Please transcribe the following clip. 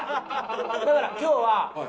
だから今日はえっ？